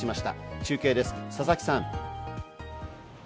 中継です、佐々木さん。